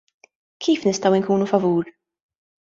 Kif nistgħu nkunu favur!?